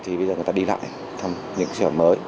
thì bây giờ người ta đi lại thăm những trường mới